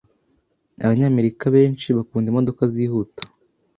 Abanyamerika benshi bakunda imodoka zihuta.